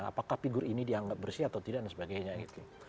apakah figur ini dianggap bersih atau tidak dan sebagainya gitu